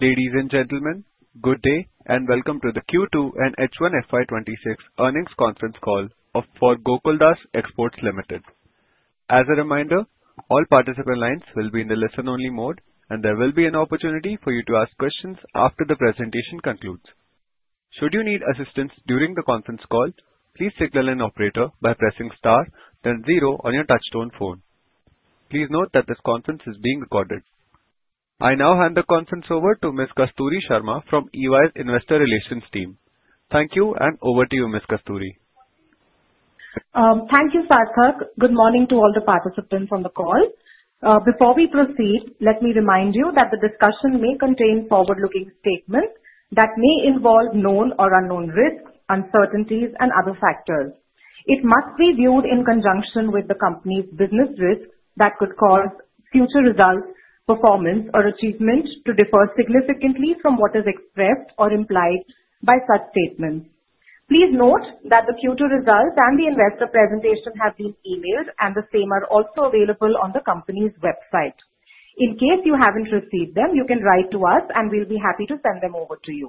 Ladies and gentlemen, good day and welcome to the Q2 and H1 FY26 earnings conference call for Gokaldas Exports Limited. As a reminder, all participant lines will be in the listen-only mode, and there will be an opportunity for you to ask questions after the presentation concludes. Should you need assistance during the conference call, please signal an operator by pressing star, then zero on your touch-tone phone. Please note that this conference is being recorded. I now hand the conference over to Ms. Kasturi Sharma from EY's Investor Relations Team. Thank you, and over to you, Ms. Kasturi. Thank you, Sarthak. Good morning to all the participants on the call. Before we proceed, let me remind you that the discussion may contain forward-looking statements that may involve known or unknown risks, uncertainties, and other factors. It must be viewed in conjunction with the company's business risk that could cause future results, performance, or achievement to differ significantly from what is expressed or implied by such statements. Please note that the future results and the investor presentation have been emailed, and the same are also available on the company's website. In case you haven't received them, you can write to us, and we'll be happy to send them over to you.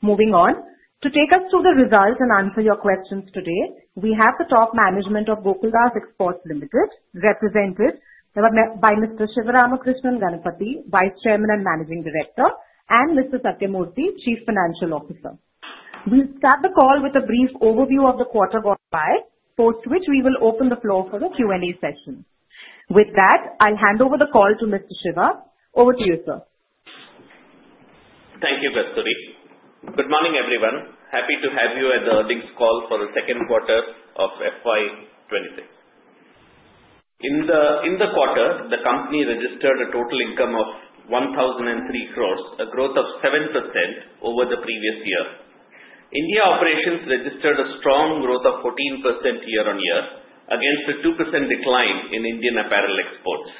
Moving on, to take us through the results and answer your questions today, we have the top management of Gokaldas Exports Limited represented by Mr. Sivaramakrishnan Ganapathi, Vice Chairman and Managing Director, and Mr. Sathyamurthy, Chief Financial Officer. We'll start the call with a brief overview of the quarter gone by, post which we will open the floor for the Q&A session. With that, I'll hand over the call to Mr. Shiva. Over to you, sir. Thank you, Kasturi. Good morning, everyone. Happy to have you at the earnings call for the second quarter of FY26. In the quarter, the company registered a total income of 1,003 crores, a growth of 7% over the previous year. India operations registered a strong growth of 14% year-on-year, against a 2% decline in Indian apparel exports.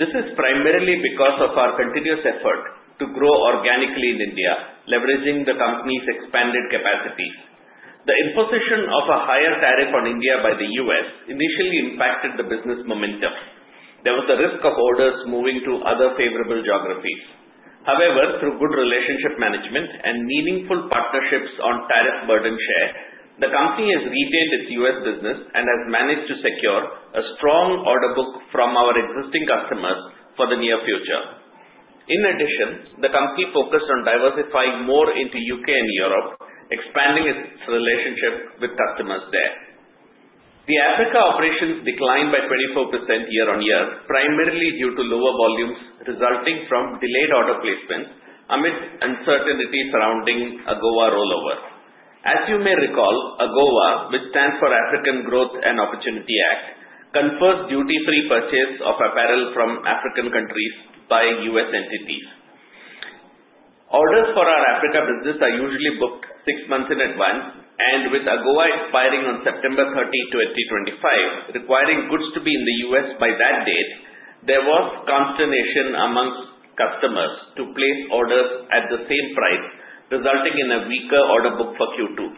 This is primarily because of our continuous effort to grow organically in India, leveraging the company's expanded capacities. The imposition of a higher tariff on India by the U.S. initially impacted the business momentum. There was a risk of orders moving to other favorable geographies. However, through good relationship management and meaningful partnerships on tariff burden share, the company has retained its U.S. business and has managed to secure a strong order book from our existing customers for the near future. In addition, the company focused on diversifying more into the U.K. and Europe, expanding its relationship with customers there. The Africa operations declined by 24% year-on-year, primarily due to lower volumes resulting from delayed order placements amidst uncertainties surrounding AGOA rollover. As you may recall, AGOA, which stands for African Growth and Opportunity Act, confers duty-free purchase of apparel from African countries by U.S. entities. Orders for our Africa business are usually booked six months in advance, and with AGOA expiring on September 30, 2025, requiring goods to be in the U.S. by that date, there was consternation amongst customers to place orders at the same price, resulting in a weaker order book for Q2.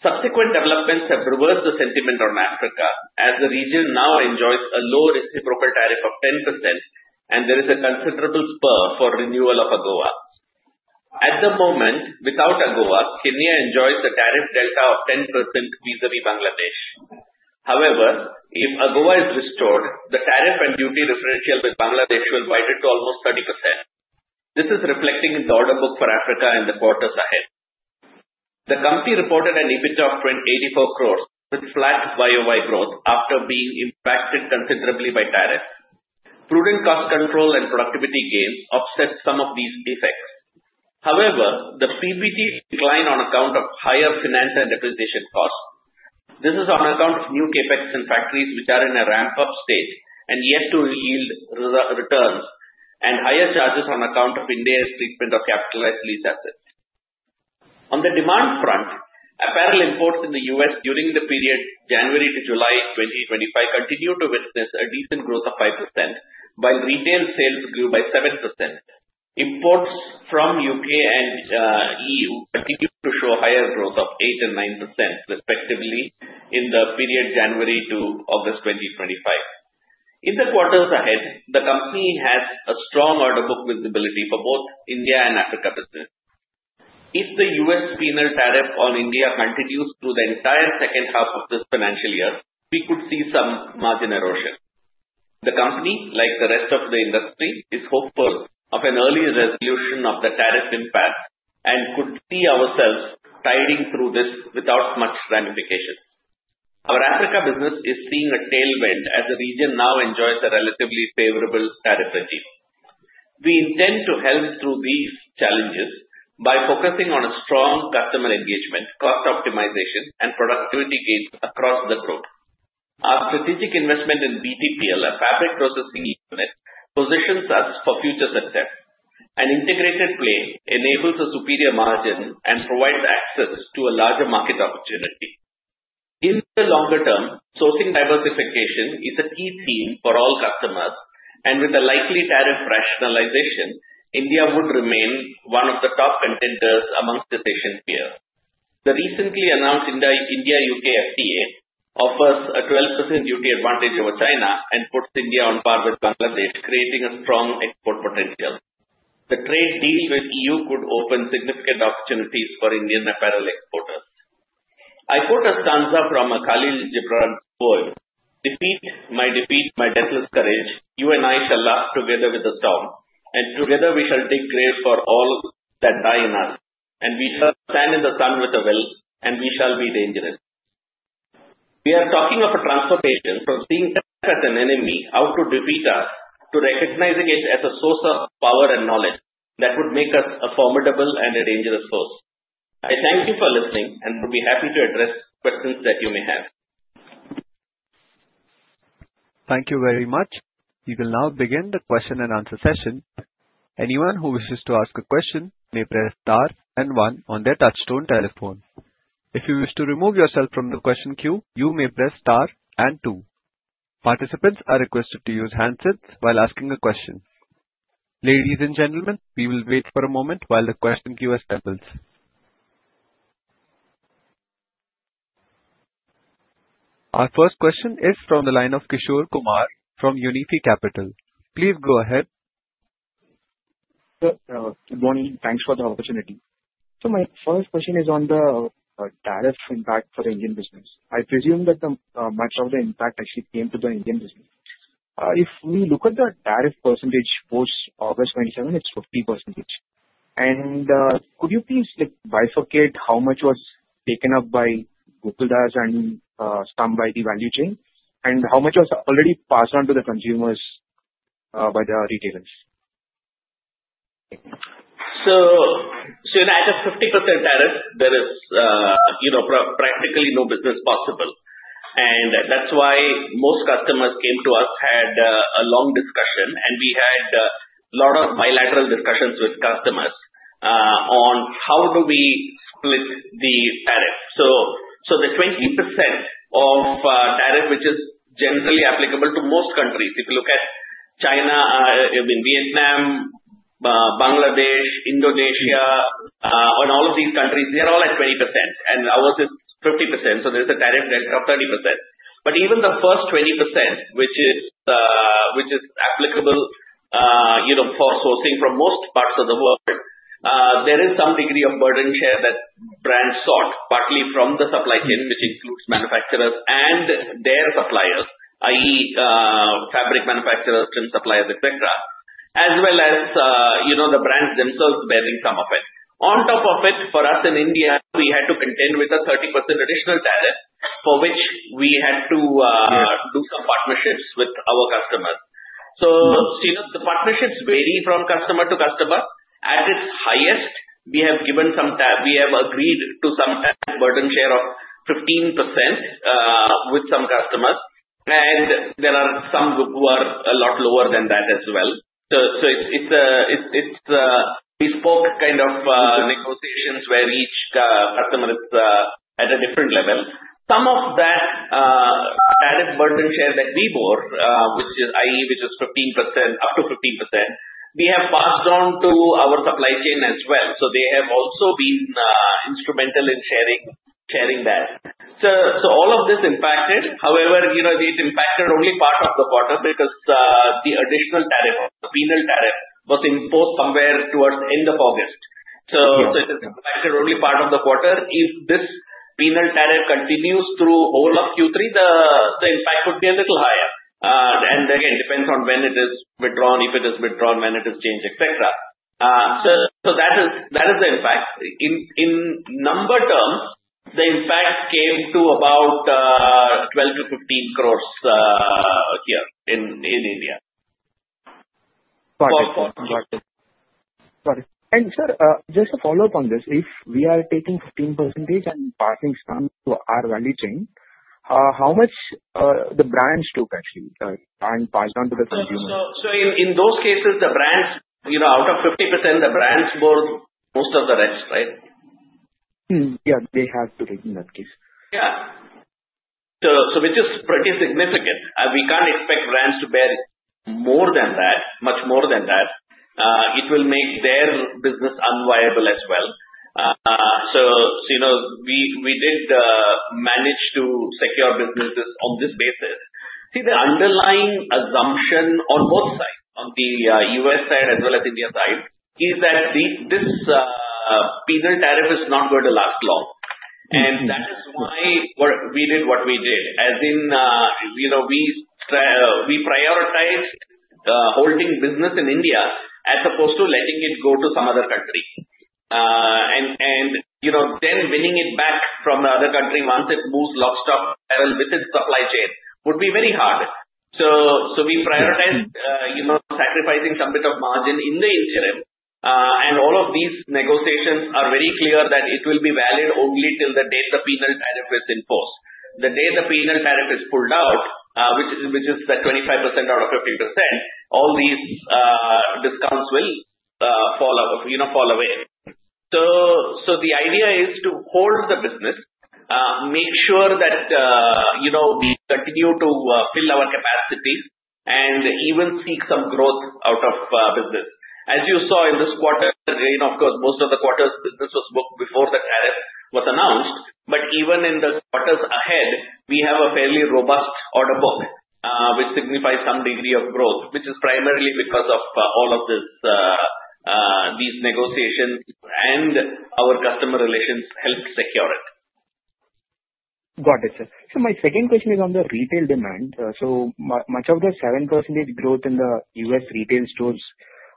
Subsequent developments have reversed the sentiment on Africa, as the region now enjoys a low reciprocal tariff of 10%, and there is a considerable spur for renewal of AGOA. At the moment, without AGOA, Kenya enjoys a tariff delta of 10% vis-à-vis Bangladesh. However, if AGOA is restored, the tariff and duty differential with Bangladesh will widen to almost 30%. This is reflecting in the order book for Africa in the quarters ahead. The company reported an EBITDA of 84 crores, with flat YoY growth after being impacted considerably by tariffs. Prudent cost control and productivity gains offset some of these effects. However, the PBT decline on account of higher finance and depreciation costs. This is on account of new CapEx in factories which are in a ramp-up stage and yet to yield returns, and higher charges on account of Ind AS treatment of capitalized lease assets. On the demand front, apparel imports in the U.S. during the period January to July 2025 continue to witness a decent growth of 5%, while retail sales grew by 7%. Imports from the U.K. and E.U. continue to show higher growth of 8% and 9%, respectively, in the period January to August 2025. In the quarters ahead, the company has a strong order book visibility for both India and Africa business. If the U.S. final tariff on India continues through the entire second half of this financial year, we could see some margin erosion. The company, like the rest of the industry, is hopeful of an early resolution of the tariff impact and could see ourselves tiding through this without much ramifications. Our Africa business is seeing a tailwind as the region now enjoys a relatively favorable tariff regime. We intend to help through these challenges by focusing on strong customer engagement, cost optimization, and productivity gains across the group. Our strategic investment in BTPL, a fabric processing unit, positions us for future success. An integrated play enables a superior margin and provides access to a larger market opportunity. In the longer term, sourcing diversification is a key theme for all customers, and with the likely tariff rationalization, India would remain one of the top contenders amongst its Asian peers. The recently announced India-U.K. FTA offers a 12% duty advantage over China and puts India on par with Bangladesh, creating a strong export potential. The trade deal with the EU could open significant opportunities for Indian apparel exporters. I quote a stanza from Kahlil Gibran, "Defeat my defeat, my deathless courage. You and I shall laugh together with the storm, and together we shall dig graves for all that die in us. And we shall stand in the sun with a will, and we shall be dangerous." We are talking of a transformation from seeing death as an enemy, how to defeat us, to recognizing it as a source of power and knowledge that would make us a formidable and a dangerous force. I thank you for listening and would be happy to address questions that you may have. Thank you very much. We will now begin the question and answer session. Anyone who wishes to ask a question may press star and one on their touch-tone telephone. If you wish to remove yourself from the question queue, you may press star and two. Participants are requested to use handsets while asking a question. Ladies and gentlemen, we will wait for a moment while the question queue establishes. Our first question is from the line of Kishore Kumar from Unifi Capital. Please go ahead. Good morning. Thanks for the opportunity. So my first question is on the tariff impact for the Indian business. I presume that much of the impact actually came to the Indian business. If we look at the tariff percentage post-August 27, it's 50%. And could you please bifurcate how much was taken up by Gokaldas and stopped by the value chain? And how much was already passed on to the consumers by the retailers? So in the case of 50% tariff, there is practically no business possible. And that's why most customers came to us, had a long discussion, and we had a lot of bilateral discussions with customers on how do we split the tariff. So the 20% tariff, which is generally applicable to most countries, if you look at China, Vietnam, Bangladesh, Indonesia, and all of these countries, they are all at 20%. And ours is 50%. So there is a tariff delta of 30%. But even the first 20%, which is applicable for sourcing from most parts of the world, there is some degree of burden share that brands sought, partly from the supply chain, which includes manufacturers and their suppliers, i.e., fabric manufacturers, trim suppliers, etc., as well as the brands themselves bearing some of it. On top of it, for us in India, we had to contend with a 30% additional tariff for which we had to do some partnerships with our customers. So the partnerships vary from customer to customer. At its highest, we have agreed to some burden share of 15% with some customers. And there are some who are a lot lower than that as well. So it's bespoke kind of negotiations where each customer is at a different level. Some of that tariff burden share that we bore, i.e., which is up to 15%, we have passed on to our supply chain as well. So they have also been instrumental in sharing that. So all of this impacted. However, it impacted only part of the quarter because the additional tariff, the penal tariff, was imposed somewhere towards the end of August. So it impacted only part of the quarter. If this penal tariff continues through all of Q3, the impact could be a little higher. And again, it depends on when it is withdrawn, if it is withdrawn, when it is changed, etc. So that is the impact. In number terms, the impact came to about 12-15 crores here in India. Got it. Sir, just a follow-up on this. If we are taking 15% and passing stuff to our value chain, how much the brands took, actually, and passed on to the consumer? In those cases, the brands, out of 50%, the brands bore most of the rest, right? Yeah, they have to take in that case. Yeah. So which is pretty significant. We can't expect brands to bear more than that, much more than that. It will make their business unviable as well. So we did manage to secure businesses on this basis. See, the underlying assumption on both sides, on the U.S. side as well as India side, is that this penal tariff is not going to last long. And that is why we did what we did. As in, we prioritized holding business in India as opposed to letting it go to some other country. And then winning it back from the other country once it moves lock, stock, and barrel with its supply chain would be very hard. So we prioritized sacrificing some bit of margin in the interim. And all of these negotiations are very clear that it will be valid only till the day the penal tariff is enforced. The day the penal tariff is pulled out, which is the 25% out of 50%, all these discounts will fall away, so the idea is to hold the business, make sure that we continue to fill our capacity, and even seek some growth out of business. As you saw in this quarter, of course, most of the quarter's business was booked before the tariff was announced, but even in the quarters ahead, we have a fairly robust order book, which signifies some degree of growth, which is primarily because of all of these negotiations and our customer relations helped secure it. Got it, sir. So my second question is on the retail demand. So much of the 7% growth in the U.S. retail stores,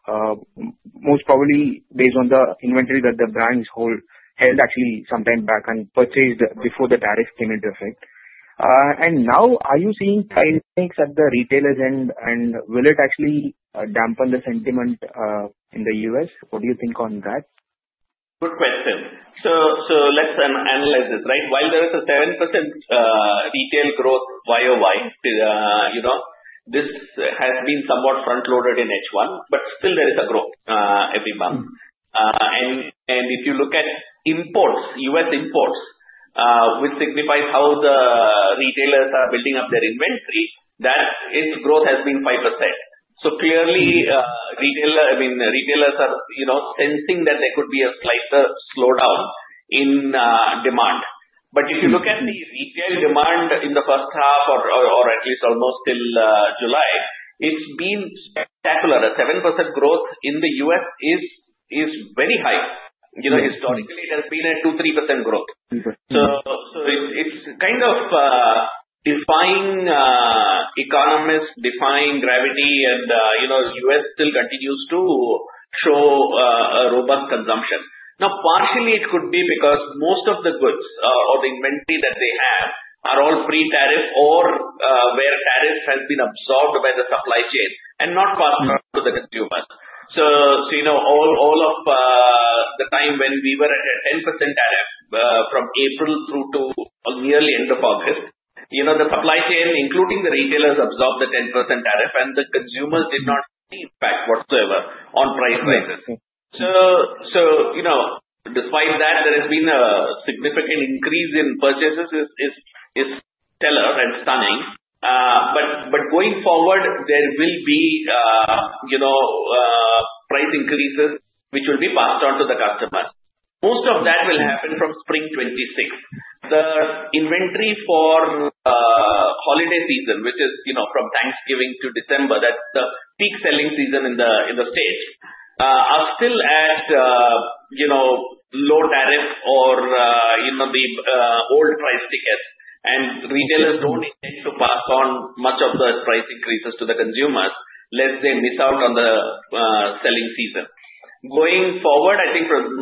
most probably based on the inventory that the brands held actually sometime back and purchased before the tariff came into effect. And now, are you seeing tight links at the retailers' end, and will it actually dampen the sentiment in the U.S.? What do you think on that? Good question. So let's analyze this, right? While there is a 7% retail growth YoY, this has been somewhat front-loaded in H1, but still there is a growth every month. And if you look at imports, U.S. imports, which signifies how the retailers are building up their inventory, that its growth has been 5%. So clearly, retailers are sensing that there could be a slight slowdown in demand. But if you look at the retail demand in the first half, or at least almost till July, it's been spectacular. A 7% growth in the U.S. is very high. Historically, there's been a 2%, 3% growth. So it's kind of defying economists, defying gravity, and the U.S. still continues to show a robust consumption. Now, partially, it could be because most of the goods or the inventory that they have are all pre-tariff or where tariffs have been absorbed by the supply chain and not passed on to the consumers. So all of the time when we were at a 10% tariff from April through to nearly end of August, the supply chain, including the retailers, absorbed the 10% tariff, and the consumers did not see impact whatsoever on price rises. So despite that, there has been a significant increase in purchases; it's telling and stunning. But going forward, there will be price increases which will be passed on to the customers. Most of that will happen from Spring 2026. The inventory for holiday season, which is from Thanksgiving to December, that's the peak selling season in the states, are still at low tariff or the old price tickets. Retailers don't intend to pass on much of the price increases to the consumers, lest they miss out on the selling season. Going forward, I think from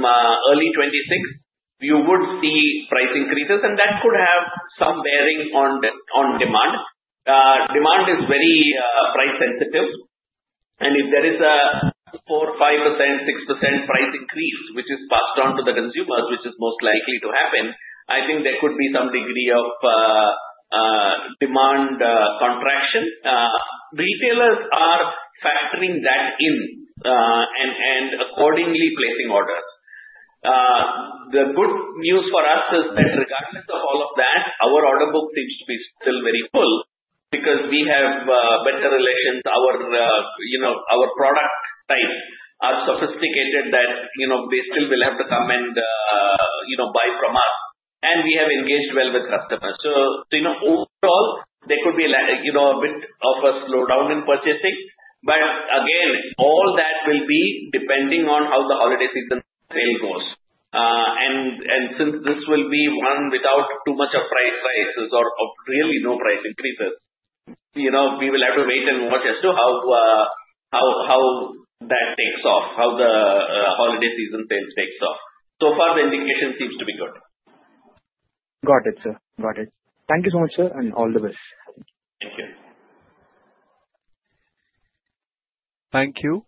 early 2026, you would see price increases, and that could have some bearing on demand. Demand is very price sensitive. If there is a 4%, 5%, 6% price increase, which is passed on to the consumers, which is most likely to happen, I think there could be some degree of demand contraction. Retailers are factoring that in and accordingly placing orders. The good news for us is that regardless of all of that, our order book seems to be still very full because we have better relations. Our product types are sophisticated that they still will have to come and buy from us. We have engaged well with customers. So overall, there could be a bit of a slowdown in purchasing. But again, all that will be depending on how the holiday season sale goes. And since this will be one without too much of price rises or really no price increases, we will have to wait and watch as to how that takes off, how the holiday season sales takes off. So far, the indication seems to be good. Got it, sir. Got it. Thank you so much, sir, and all the best. Thank you. Thank you.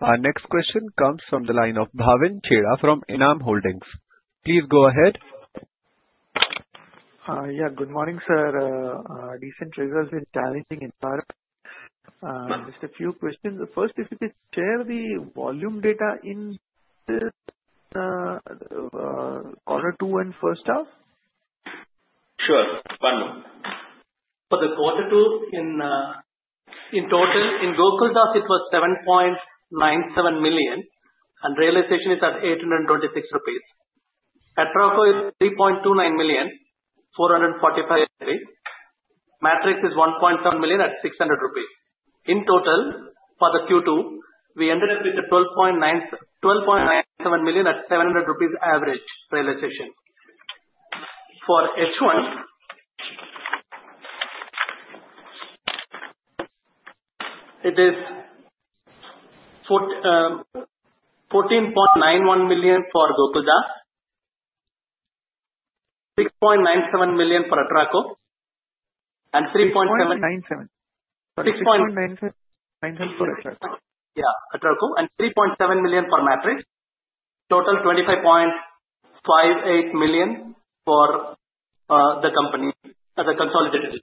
Our next question comes from the line of Bhavin Chheda from ENAM Holdings. Please go ahead. Yeah, good morning, sir. Decent results in tariff environment. Just a few questions. The first is, if you could share the volume data in quarter two and first half? Sure. One moment. For the quarter two in total, in Gokaldas, it was 7.97 million, and realization is at 826 rupees. Atraco is 3.29 million, 445 rupees. Matrix is 1.7 million at 600 rupees. In total, for the Q2, we ended up with 12.97 million at 700 rupees average realization. For H1, it is 14.91 million for Gokaldas, 6.97 million for Atraco, and 3.7. 6.97. 6.97. Yeah, Atraco. And 3.7 million for Matrix. Total 25.58 million for the consolidated.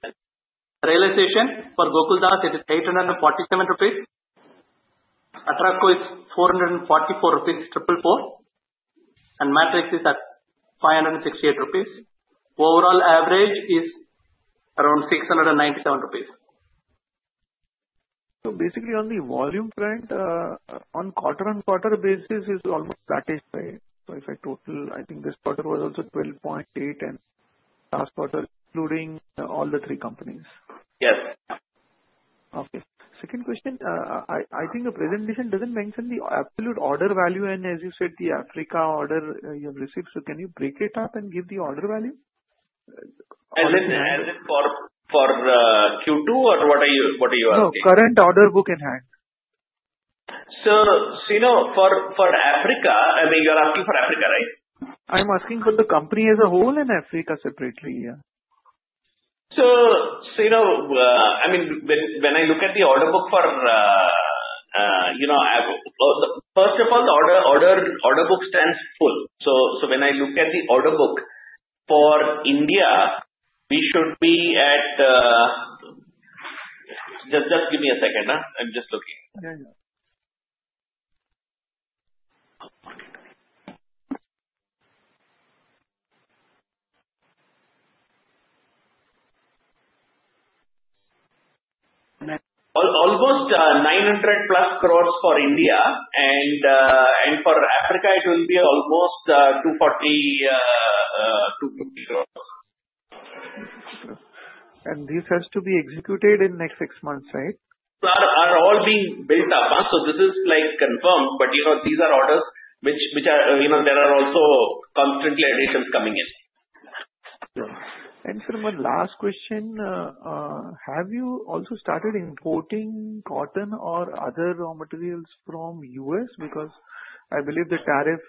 Realization for Gokaldas, it is 847 rupees. Atraco is 444 rupees, triple four. And Matrix is at 568 rupees. Overall average is around INR 697. So basically, on the volume front, on quarter-on-quarter basis, it's almost satisfied. So if I total, I think this quarter was also 12.8 and last quarter, including all the three companies. Yes. Okay. Second question, I think the presentation doesn't mention the absolute order value, and as you said, the Africa order you have received. So can you break it up and give the order value? As in for Q2 or what are you asking? No, current order book in hand. For Africa, I mean, you're asking for Africa, right? I'm asking for the company as a whole and Africa separately, yeah. So, I mean, when I look at the order book for first of all, the order book stands full. So when I look at the order book for India, we should be at just give me a second. I'm just looking. Yeah, yeah. Almost 900+ crores for India, and for Africa, it will be almost 240-250 crores. This has to be executed in next six months, right? Are all being built up. So this is confirmed. But these are orders which there are also constantly additions coming in. Sir, my last question, have you also started importing cotton or other raw materials from the US? Because I believe the tariff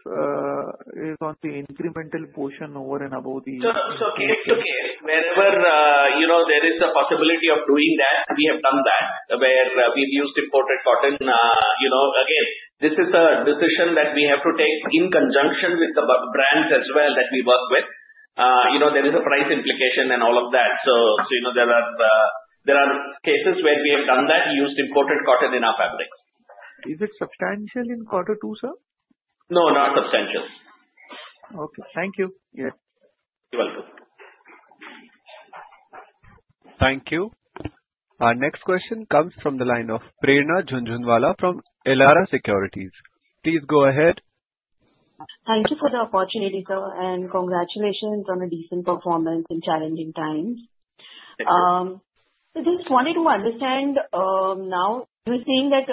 is on the incremental portion over and above the. Wherever there is a possibility of doing that, we have done that, where we've used imported cotton. Again, this is a decision that we have to take in conjunction with the brands as well that we work with. There is a price implication and all of that, so there are cases where we have done that, used imported cotton in our fabrics. Is it substantial in quarter two, sir? No, not substantial. Okay. Thank you. Yeah. You're welcome. Thank you. Our next question comes from the line of Prerna Jhunjhunwala from Elara Securities. Please go ahead. Thank you for the opportunity, sir, and congratulations on a decent performance in challenging times. So just wanted to understand, now you were saying that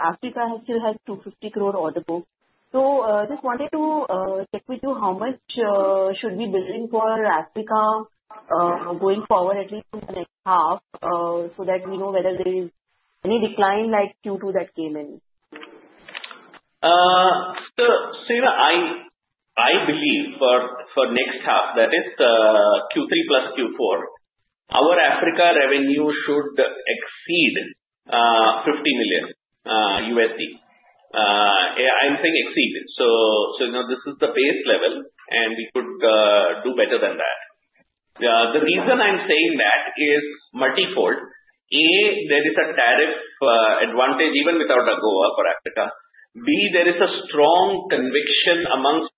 Africa still has 250 crore order book. So just wanted to check with you how much should we be building for Africa going forward, at least in the next half, so that we know whether there is any decline like Q2 that came in. So I believe for next half, that is Q3 + Q4, our Africa revenue should exceed $50 million. I'm saying exceed. So this is the base level, and we could do better than that. The reason I'm saying that is multi-fold. A, there is a tariff advantage even without AGOA for Africa. B, there is a strong conviction amongst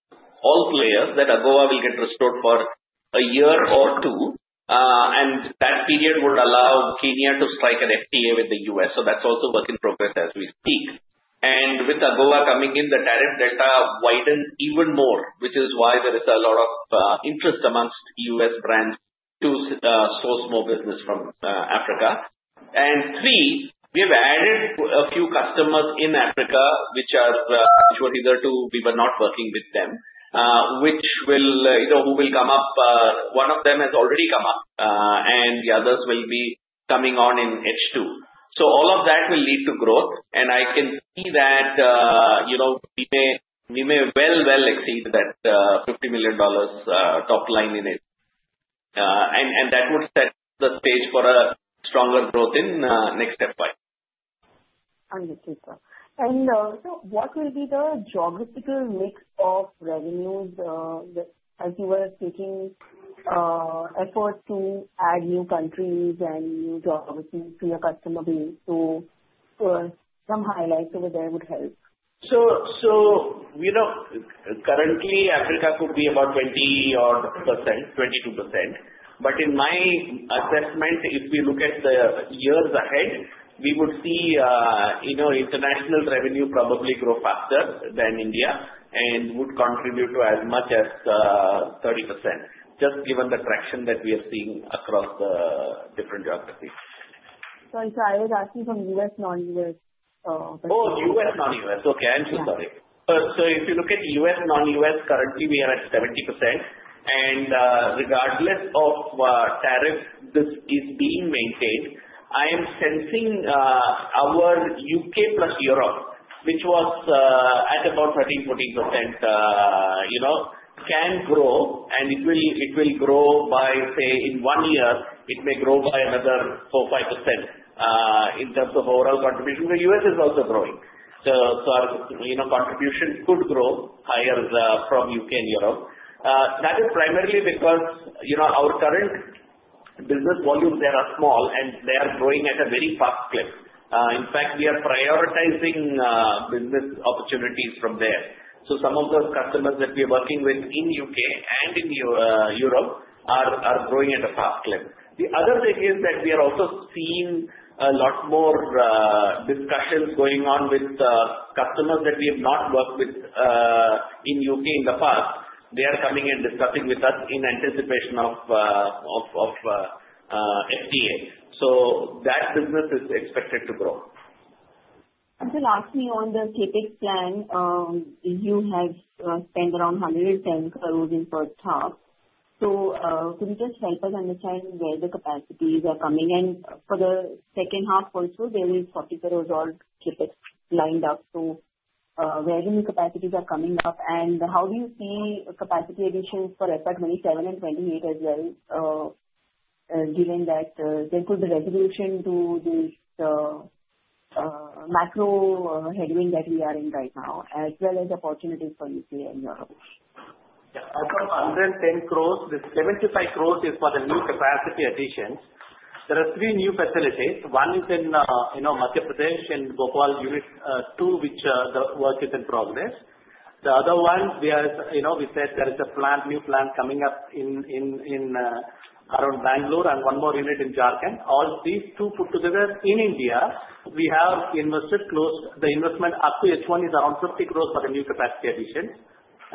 all players that AGOA will get restored for a year or two, and that period would allow Kenya to strike an FTA with the U.S. So that's also work in progress as we speak. And with AGOA coming in, the tariff delta widens even more, which is why there is a lot of interest amongst U.S. brands to source more business from Africa. And three, we have added a few customers in Africa which are new either to us we were not working with them, which will come up. One of them has already come up, and the others will be coming on in H2, so all of that will lead to growth, and I can see that we may well exceed that $50 million top line in it, and that would set the stage for a stronger growth in next step five. Understood, sir. And so what will be the geographical mix of revenues as you were seeking efforts to add new countries and new geographies to your customer base? So some highlights over there would help. So currently, Africa could be about 20%-22%. But in my assessment, if we look at the years ahead, we would see international revenue probably grow faster than India and would contribute to as much as 30%, just given the traction that we are seeing across the different geographies. Sorry, so I was asking from U.S., non-U.S. perspective. Oh, U.S., non-U.S. Okay. I'm so sorry. So if you look at U.S., non-U.S., currently we are at 70%. And regardless of tariffs, this is being maintained. I am sensing our U.K. plus Europe, which was at about 13%-14%, can grow, and it will grow by, say, in one year, it may grow by another 4%-5% in terms of overall contribution. The U.S. is also growing. So our contribution could grow higher from U.K. and Europe. That is primarily because our current business volumes there are small, and they are growing at a very fast clip. In fact, we are prioritizing business opportunities from there. So some of those customers that we are working with in U.K. and in Europe are growing at a fast clip. The other thing is that we are also seeing a lot more discussions going on with customers that we have not worked with in U.K. in the past. They are coming and discussing with us in anticipation of FTA. So that business is expected to grow. And sir, lastly, on the CapEx plan, you have spent around 110 crores in first half. So could you just help us understand where the capacities are coming? And for the second half also, there is 40 crores of CapEx lined up. So where do new capacities are coming up? And how do you see capacity additions for FY27 and FY28 as well, given that there could be resolution to this macro headwind that we are in right now, as well as opportunities for U.K. and Europe? Yeah. Out of 110 crores, 75 crores is for the new capacity additions. There are three new facilities. One is in Madhya Pradesh and Gokaldas unit two, which the work is in progress. The other one, we said there is a new plant coming up around Bangalore and one more unit in Jharkhand. All these two put together in India, we have invested close. The investment up to H1 is around 50 crores for the new capacity addition,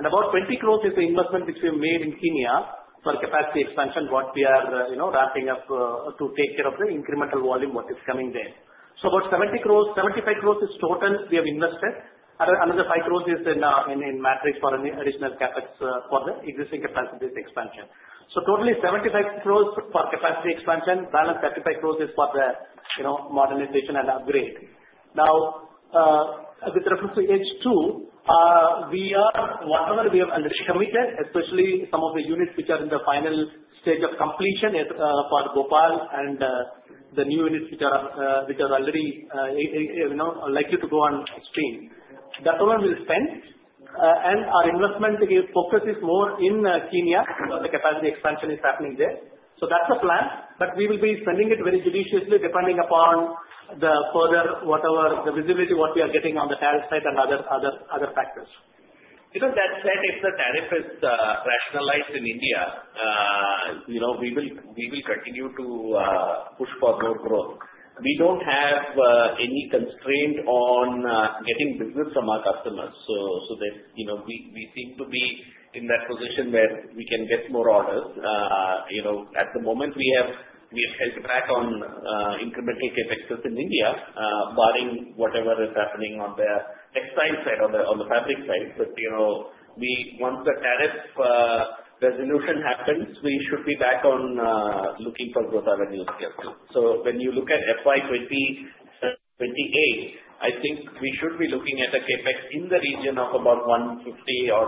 and about 20 crores is the investment which we have made in Kenya for capacity expansion, what we are ramping up to take care of the incremental volume what is coming there. So about 70 crores, 75 crores is total we have invested. Another 5 crores is in Matrix for additional CapEx for the existing capacity expansion. So totally 75 crores for capacity expansion. Balance 35 crores is for the modernization and upgrade. Now, with reference to H2, we are whatever we have already committed, especially some of the units which are in the final stage of completion for Gokaldas and the new units which are already likely to go on stream. That's all we will spend. And our investment focus is more in Kenya because the capacity expansion is happening there. So that's the plan. But we will be spending it very judiciously depending upon the further whatever the visibility what we are getting on the tariff side and other factors. That said, if the tariff is rationalized in India, we will continue to push for more growth. We don't have any constraint on getting business from our customers. So we seem to be in that position where we can get more orders. At the moment, we have held back on incremental CapEx in India, barring whatever is happening on the textile side, on the fabric side. But once the tariff resolution happens, we should be back on looking for growth avenues here too. So when you look at FY 2028, I think we should be looking at a CapEx in the region of about 150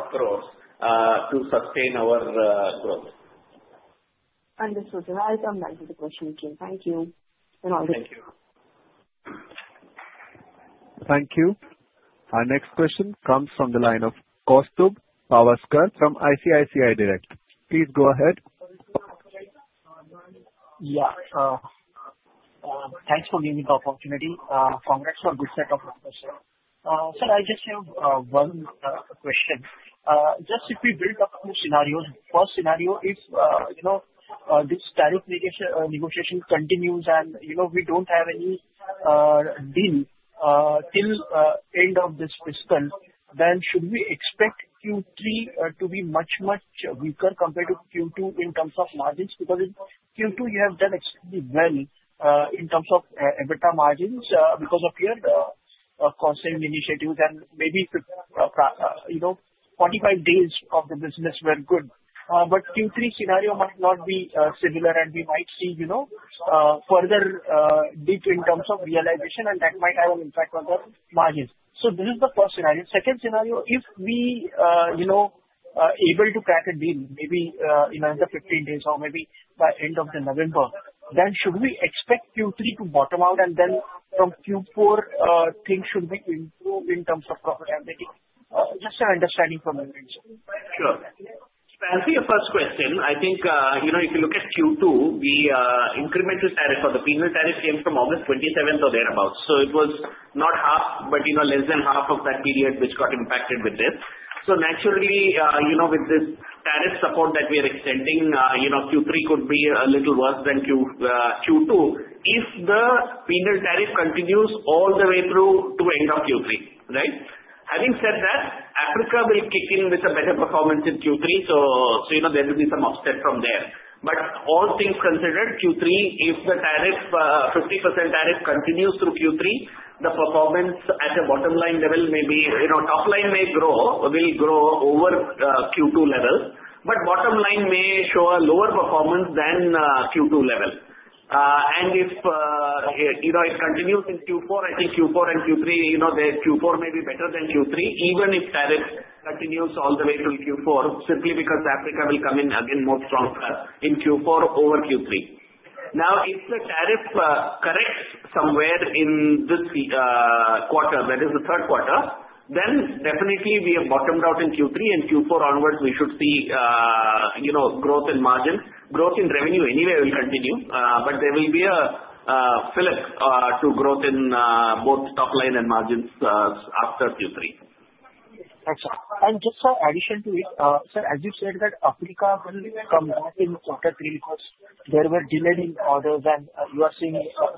crores to sustain our growth. Understood. So that's our magic question, Jim. Thank you. And all the. Thank you. Thank you. Our next question comes from the line of Kaustubh Pawaskar from ICICI Direct. Please go ahead. Yeah. Thanks for giving the opportunity. Congrats for a good set of questions. Sir, I just have one question. Just if we build up two scenarios. First scenario, if this tariff negotiation continues and we don't have any deal till end of this fiscal, then should we expect Q3 to be much, much weaker compared to Q2 in terms of margins? Because in Q2, you have done extremely well in terms of EBITDA margins because of your costing initiatives. And maybe 45 days of the business were good. But Q3 scenario might not be similar, and we might see further dip in terms of realization, and that might have an impact on the margins. So this is the first scenario. Second scenario, if we are able to crack a deal, maybe in another 15 days or maybe by end of November, then should we expect Q3 to bottom out, and then from Q4, things should be improved in terms of profitability? Just your understanding from your end, sir. Sure. I'll take your first question. I think if you look at Q2, the incremental tariff or the penal tariff came from August 27th or thereabouts. So it was not half, but less than half of that period which got impacted with this. So naturally, with this tariff support that we are extending, Q3 could be a little worse than Q2 if the penal tariff continues all the way through to end of Q3, right? Having said that, Africa will kick in with a better performance in Q3, so there will be some offset from there. But all things considered, Q3, if the 50% tariff continues through Q3, the performance at the bottom line level may be; top line will grow over Q2 level, but bottom line may show a lower performance than Q2 level. And if it continues in Q4, I think Q4 and Q3, Q4 may be better than Q3, even if tariff continues all the way through Q4, simply because Africa will come in again more stronger in Q4 over Q3. Now, if the tariff corrects somewhere in this quarter, that is the third quarter, then definitely we have bottomed out in Q3, and Q4 onwards, we should see growth in margins. Growth in revenue anyway will continue, but there will be a flip to growth in both top line and margins after Q3. Excellent. And just for addition to it, sir, as you said that Africa will come back in quarter three because there were delayed orders, and you are seeing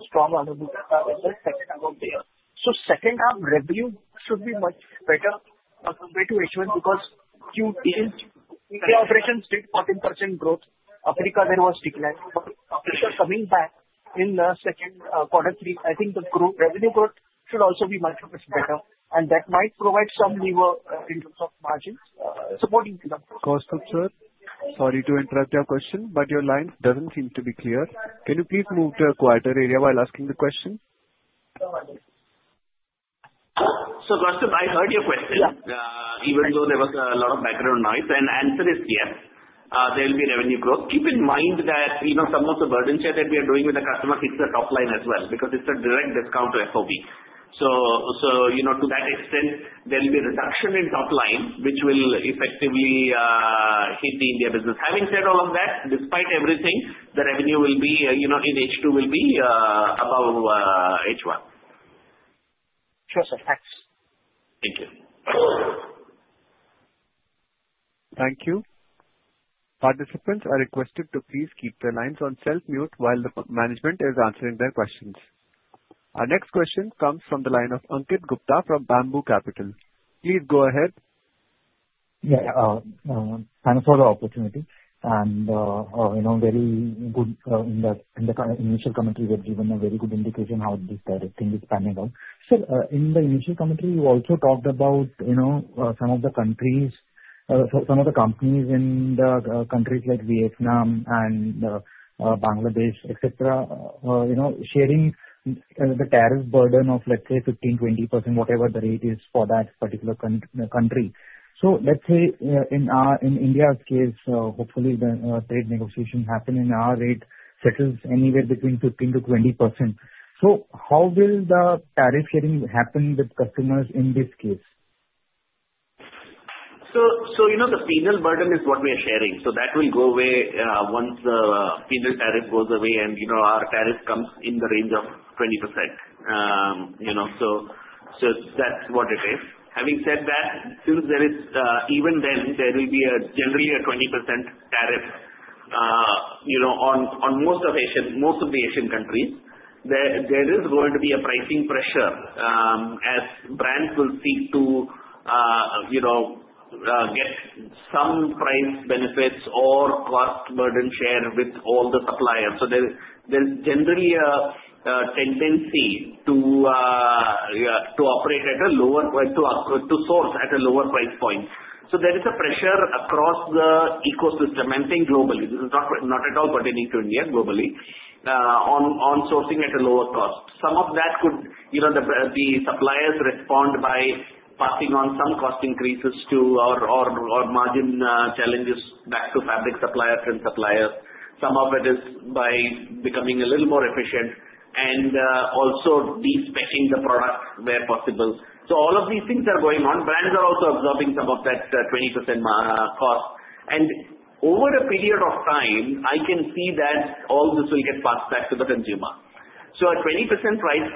stronger revenue in the second half there. So second half revenue should be much better compared to H1 because Q3 operations did 14% growth. Africa there was decline. But Africa coming back in the second quarter three, I think the revenue growth should also be much better, and that might provide some lever in terms of margins supporting the. Kaustubh, sir? Sorry to interrupt your question, but your line doesn't seem to be clear. Can you please move to a quieter area while asking the question? So Kaustubh, I heard your question. Even though there was a lot of background noise, and the answer is yes, there will be revenue growth. Keep in mind that some of the burden share that we are doing with the customers hits the top line as well because it's a direct discount to FOB. So to that extent, there will be a reduction in top line, which will effectively hit the India business. Having said all of that, despite everything, the revenue in H2 will be above H1. Sure, sir. Thanks. Thank you. Thank you. Participants are requested to please keep their lines on silent mute while the management is answering their questions. Our next question comes from the line of Ankit Gupta from Bamboo Capital. Please go ahead. Yeah. Thanks for the opportunity. And very good in the initial commentary, you have given a very good indication how this thing is panning out. Sir, in the initial commentary, you also talked about some of the countries, some of the companies in the countries like Vietnam and Bangladesh, etc., sharing the tariff burden of, let's say, 15%-20%, whatever the rate is for that particular country. So let's say in India's case, hopefully the trade negotiation happened and our rate settles anywhere between 15%-20%. So how will the tariff sharing happen with customers in this case? The penal burden is what we are sharing. That will go away once the penal tariff goes away and our tariff comes in the range of 20%. That's what it is. Having said that, even then, there will be generally a 20% tariff on most of the Asian countries. There is going to be a pricing pressure as brands will seek to get some price benefits or cost burden share with all the suppliers. There's generally a tendency to operate at a lower to source at a lower price point. There is a pressure across the ecosystem, and I'm saying globally. This is not at all pertaining to India globally, on sourcing at a lower cost. Some of that could the suppliers respond by passing on some cost increases to our margin challenges back to fabric suppliers and suppliers. Some of it is by becoming a little more efficient and also de-risking the product where possible. So all of these things are going on. Brands are also absorbing some of that 20% cost. And over a period of time, I can see that all this will get passed back to the consumer. So a 20% price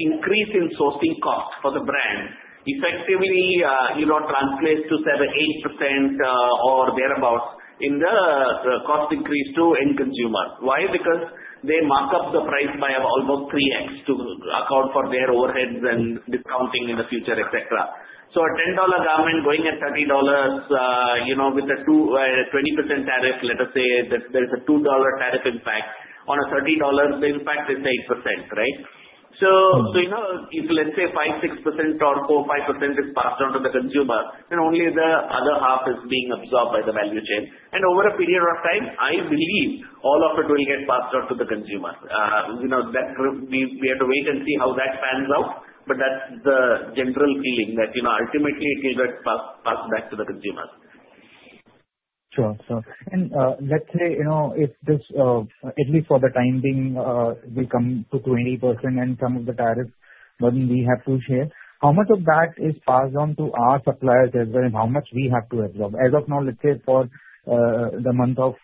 increase in sourcing cost for the brand effectively translates to 7%-8% or thereabouts in the cost increase to end consumer. Why? Because they mark up the price by almost 3x to account for their overheads and discounting in the future, etc. So a $10 garment going at $30 with a 20% tariff, let us say there's a $2 tariff impact. On a $30, the impact is 8%, right? So if, let's say, 5%-6% or 4%-5% is passed on to the consumer, then only the other half is being absorbed by the value chain. And over a period of time, I believe all of it will get passed on to the consumer. We have to wait and see how that pans out, but that's the general feeling that ultimately it will get passed back to the consumers. Sure. And let's say if this, at least for the time being, will come to 20% and some of the tariffs that we have to share, how much of that is passed on to our suppliers as well and how much we have to absorb? As of now, let's say for the month of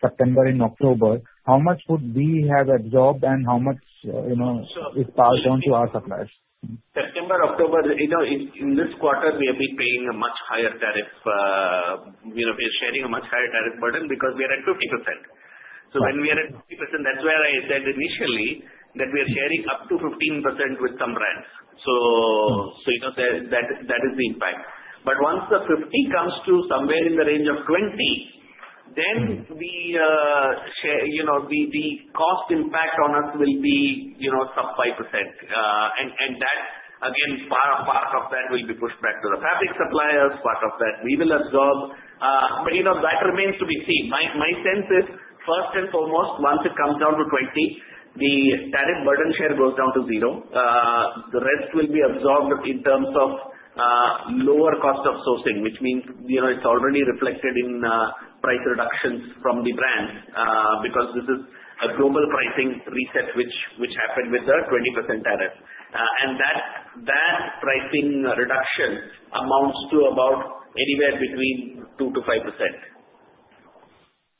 September and October, how much would we have absorbed and how much is passed on to our suppliers? September, October, in this quarter, we have been paying a much higher tariff. We are sharing a much higher tariff burden because we are at 50%. So when we are at 50%, that's where I said initially that we are sharing up to 15% with some brands. So that is the impact. But once the 50 comes to somewhere in the range of 20, then the cost impact on us will be sub 5%. And that, again, part of that will be pushed back to the fabric suppliers, part of that we will absorb. But that remains to be seen. My sense is, first and foremost, once it comes down to 20, the tariff burden share goes down to zero. The rest will be absorbed in terms of lower cost of sourcing, which means it's already reflected in price reductions from the brands because this is a global pricing reset which happened with the 20% tariff, and that pricing reduction amounts to about anywhere between 2%-5%.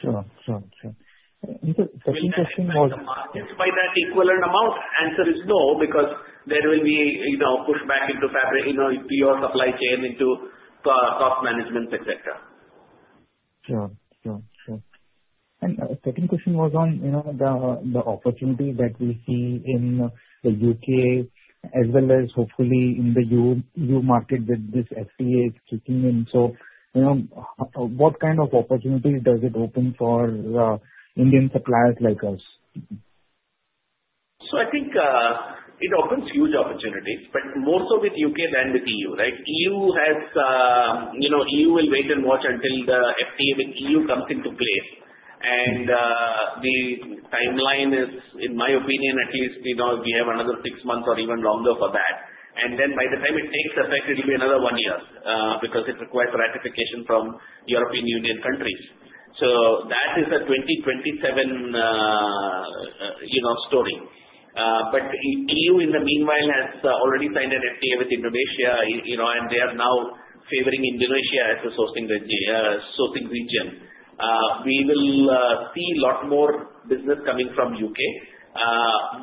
Sure. The second question was. Will we be able to market by that equivalent amount? Answer is no, because there will be pushback into your supply chain, into cost management, etc. Sure. The second question was on the opportunity that we see in the U.K. as well as hopefully in the EU market with this FTA kicking in. What kind of opportunity does it open for Indian suppliers like us? So I think it opens huge opportunities, but more so with U.K. than with EU, right? EU will wait and watch until the FTA with EU comes into place. And the timeline is, in my opinion, at least we have another six months or even longer for that. And then by the time it takes effect, it will be another one year because it requires ratification from European Union countries. So that is a 2027 story. But EU, in the meanwhile, has already signed an FTA with Indonesia, and they are now favoring Indonesia as the sourcing region. We will see a lot more business coming from U.K.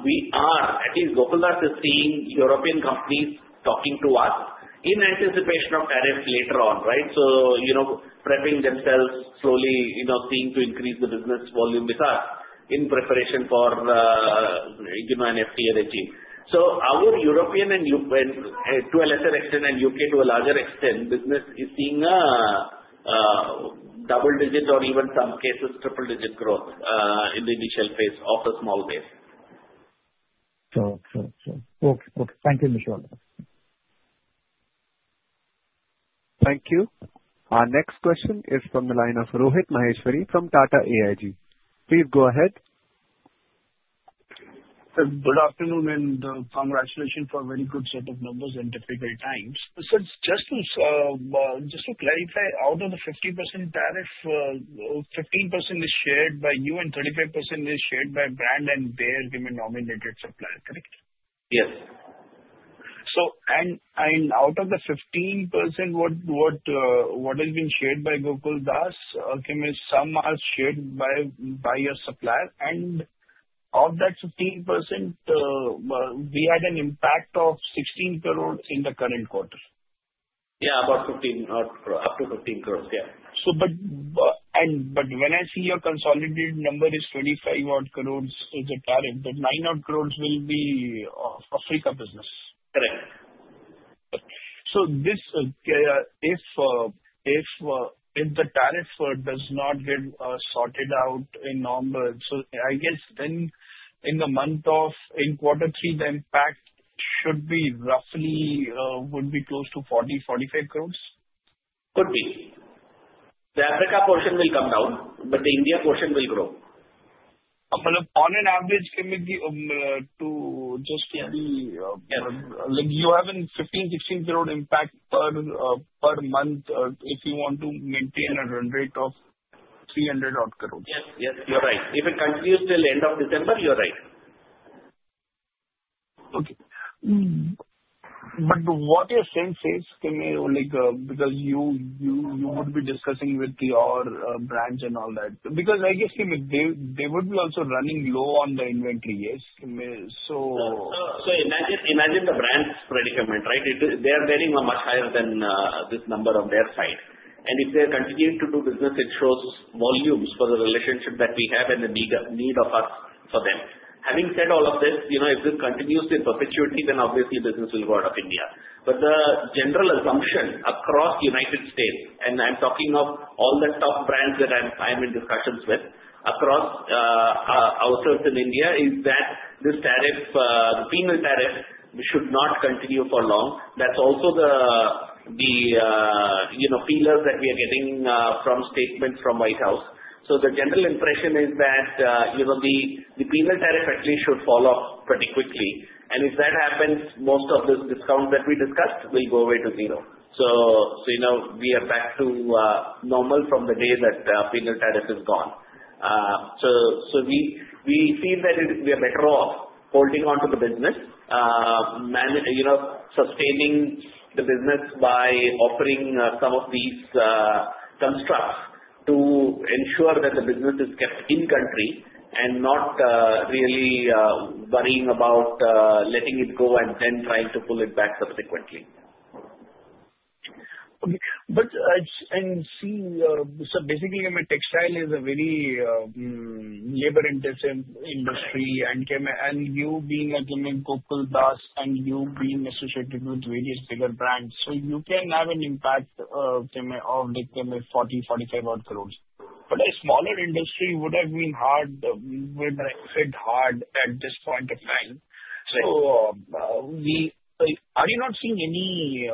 We are, at least Gokaldas is seeing European companies talking to us in anticipation of tariffs later on, right? So prepping themselves slowly, seeing to increase the business volume with us in preparation for an FTA regime. So our European and, to a lesser extent, and U.K. to a larger extent, business is seeing a double-digit or even some cases triple-digit growth in the initial phase of a small base. Sure. Okay. Thank you, Vishal. Thank you. Our next question is from the line of Rohit Maheshwari from Tata AIG. Please go ahead. Good afternoon and congratulations for a very good set of numbers in difficult times. So just to clarify, out of the 15% tariff, 15% is shared by you and 35% is shared by brand and their women-nominated supplier, correct? Yes. Out of the 15%, what has been shared by Gokaldas? Some are shared by your supplier. Of that 15%, we had an impact of 16 crores in the current quarter. Yeah, about 15 crores, up to 15 crores. Yeah. But when I see your consolidated number is 25-odd crores as a tariff, the 9-odd crores will be Africa business. Correct. If the tariff does not get sorted out in November, I guess then in quarter three, the impact should be roughly close to 40-45 crores? Could be. The Africa portion will come down, but the India portion will grow. On average, can we just say you have a 15-16 crore impact per month if you want to maintain a run rate of 300-odd crores? Yes. Yes. You're right. If it continues till end of December, you're right. Okay. But what your sense is, because you would be discussing with your brands and all that, because I guess they would be also running low on the inventory, yes? So imagine the brand's predicament, right? They are bearing much higher than this number on their side. And if they continue to do business, it shows volumes for the relationship that we have and the need of us for them. Having said all of this, if this continues in perpetuity, then obviously business will go out of India. But the general assumption across the United States, and I'm talking of all the top brands that I'm in discussions with across our units in India, is that this tariff, the penal tariff, should not continue for long. That's also the feelers that we are getting from statements from the White House. So the general impression is that the penal tariff at least should fall off pretty quickly. And if that happens, most of the discounts that we discussed will go away to zero. So we are back to normal from the day that penal tariff is gone. So we feel that we are better off holding on to the business, sustaining the business by offering some of these constructs to ensure that the business is kept in country and not really worrying about letting it go and then trying to pull it back subsequently. Okay. And so basically, textile is a very labor-intensive industry. And you being Gokaldas and you being associated with various bigger brands, so you can have an impact of 40-45-odd crores. But a smaller industry would have been hit hard at this point of time. So are you not seeing any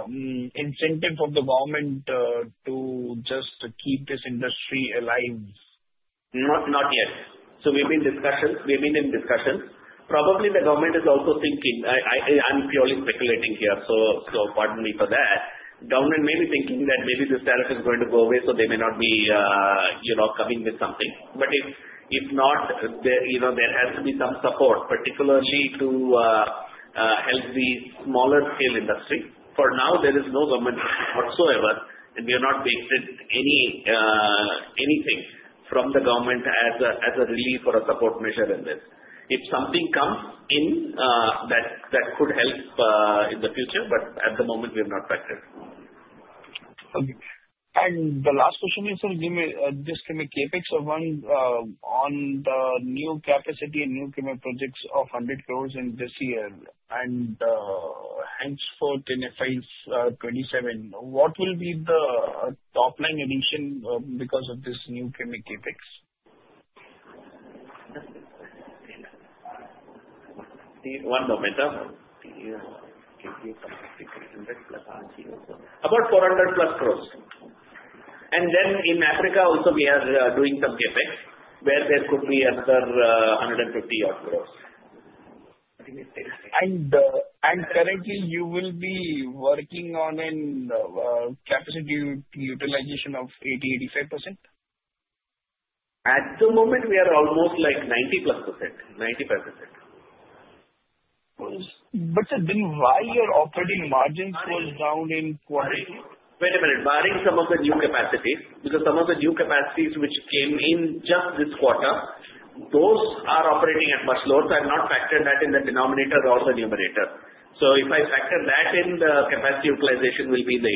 incentive from the government to just keep this industry alive? Not yet. So we've been in discussions. Probably the government is also thinking I'm purely speculating here, so pardon me for that. Government may be thinking that maybe this tariff is going to go away, so they may not be coming with something. But if not, there has to be some support, particularly to help the smaller scale industry. For now, there is no government whatsoever, and we are not basing anything from the government as a relief or a support measure in this. If something comes in that could help in the future, but at the moment, we have not factored. The last question is, just give me CapEx on the new capacity and new projects of 100 crores in this year and hence forward in FY2027. What will be the top line addition because of this new CapEx? One moment. About 400+ crores and then in Africa also, we are doing some CapEx where there could be another INR 150-odd crores. Currently, you will be working on a capacity utilization of 80%-85%? At the moment, we are almost like 90%+, 95%. But then why are operating margins going down in quarter? Wait a minute. Barring some of the new capacities, because some of the new capacities which came in just this quarter, those are operating at much lower. So I've not factored that in the denominator or the numerator. So if I factor that in, the capacity utilization will be in the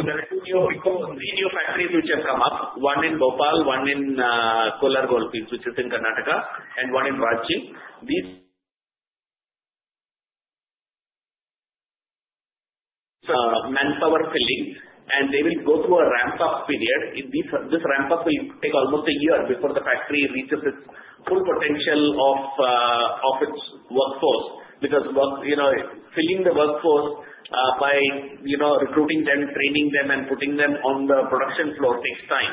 80%. There are two new factories which have come up, one in Bhopal, one in Kolar, which is in Karnataka, and one in Ranchi. These. So. Manpower filling, and they will go through a ramp-up period. This ramp-up will take almost a year before the factory reaches its full potential of its workforce because filling the workforce by recruiting them, training them, and putting them on the production floor takes time.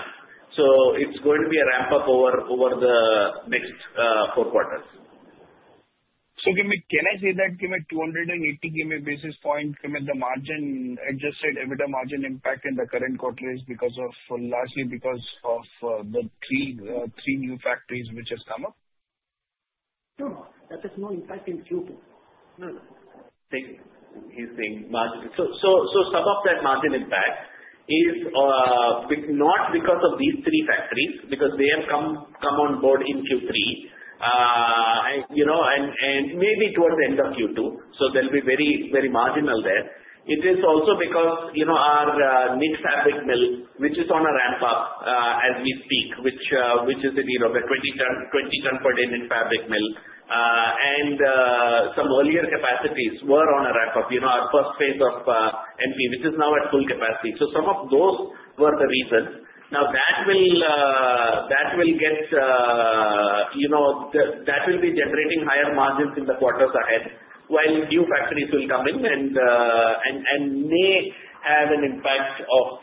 So it's going to be a ramp-up over the next four quarters. So can I say that 280 basis points, the margin adjusted EBITDA margin impact in the current quarter is largely because of the three new factories which have come up? No. That has no impact in Q2. No. think he's saying margin. So some of that margin impact is not because of these three factories because they have come on board in Q3 and maybe towards the end of Q2, so they'll be very marginal there. It is also because our knit-fabric mill, which is on a ramp-up as we speak, which is 20 ton per day knit-fabric mill, and some earlier capacities were on a ramp-up. Our first phase of MP, which is now at full capacity. So some of those were the reasons. Now, that will be generating higher margins in the quarters ahead, while new factories will come in and may have an impact of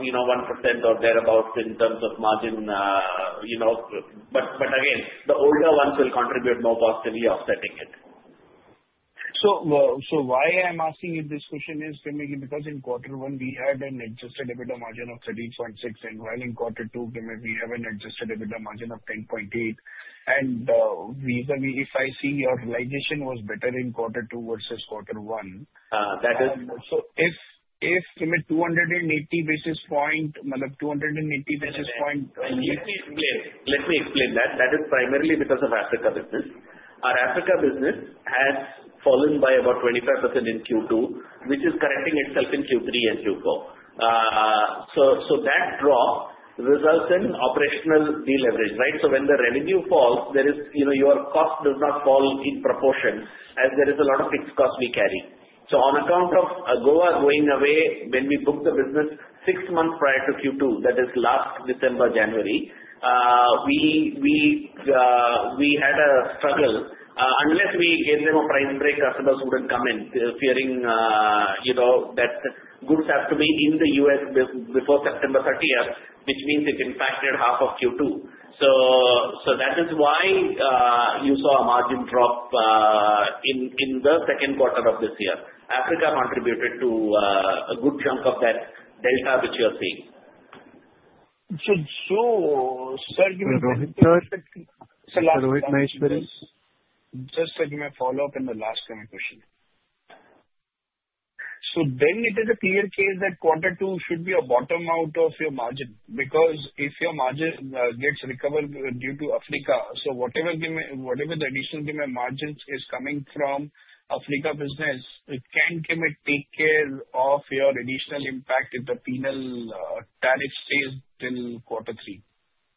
1% or thereabouts in terms of margin. But again, the older ones will contribute more positively offsetting it. Why I'm asking you this question is because in quarter one, we had an adjusted EBITDA margin of 13.6%, and while in quarter two, we have an adjusted EBITDA margin of 10.8%. If I see your realization was better in quarter two versus quarter one. That is. So if 280 basis points, Malik, 280 basis points. Let me explain. Let me explain that. That is primarily because of Africa business. Our Africa business has fallen by about 25% in Q2, which is correcting itself in Q3 and Q4. So that drop results in operational deleverage, right? So when the revenue falls, your cost does not fall in proportion as there is a lot of fixed costs we carry. So on account of AGOA going away, when we booked the business six months prior to Q2, that is last December, January, we had a struggle. Unless we gave them a price break, customers wouldn't come in fearing that goods have to be in the U.S. before September 30th, which means it impacted half of Q2. So that is why you saw a margin drop in the second quarter of this year. Africa contributed to a good chunk of that delta which you're seeing. Rohit Maheshwari, just a follow-up on the last question. Then it is a clear case that quarter two should be a bottom-out of your margin because if your margin gets recovered due to Africa, so whatever the additional margins is coming from Africa business, can it take care of your additional impact if the penal tariff stays till quarter three?